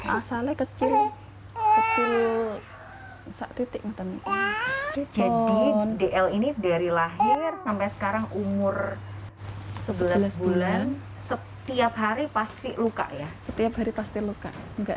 dari lahir sampai sekarang umur sebelas bulan setiap hari pasti luka ya setiap hari pasti luka enggak